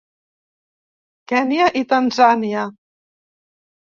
Kenya i Tanzània.